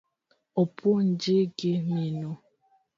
Opuonji gi minu?